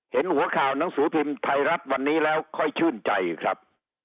เห็นหัวข่าวหนังสือพิมพ์ไทยรัฐวันนี้แล้วค่อยชื่นใจครับ